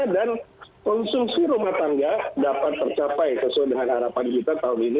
dan konsumsi rumah tangga dapat tercapai sesuai dengan harapan kita tahun ini